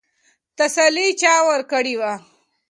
تسلي چا ورکړې وه؟